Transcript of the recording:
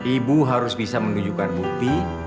ibu harus bisa menunjukkan bukti